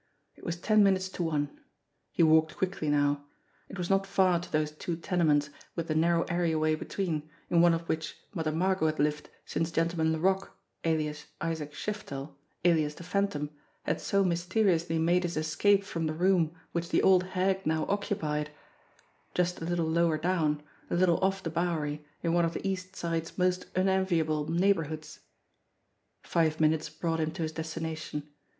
It was ten minutes to one. He walked quickly now. It was not far co those two tenements with the narrow areaway between, in one of which Mother Margot had lived since Gentleman Laroque, alias Isaac Shiftel, alias the Phantom, had so mysteriously made his escape from the room which the old hag now oc cupied; just a little lower down, a little off the Bowery, in one of the East Side's most unenviable neighbourhoods. Five minutes brought him to his destination.